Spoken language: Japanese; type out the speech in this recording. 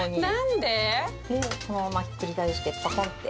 でそのままひっくり返してパカンって。